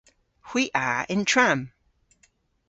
Hwi a yn tramm.